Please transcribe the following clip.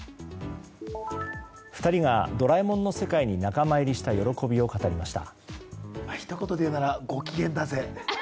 ２人が「ドラえもん」の世界に仲間入りした喜びを語りました。